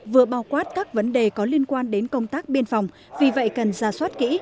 vừa bao quát các vấn đề có liên quan đến công tác biên phòng vì vậy cần ra soát kỹ